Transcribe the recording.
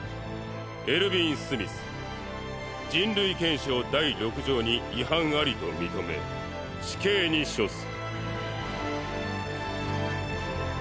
エルヴィン・スミス人類憲章第６条に違反ありと認め死刑に処す。